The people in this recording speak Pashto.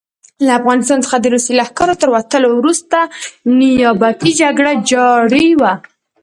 له افغانستان څخه د روسي لښکرو تر وتلو وروسته نیابتي جګړه جاري وه.